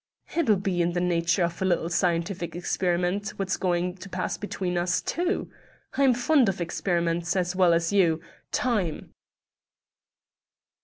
"It'll be in the nature of a little scientific experiment what's going to pass between us too. I'm fond of experiments as well as you. Time!"